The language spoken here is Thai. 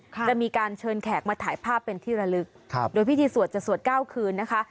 จะมีการเชิญแขกมาถ่ายภาพเป็นที่ระลึกครับโดยพิธีสวดจะสวดเก้าคืนนะคะ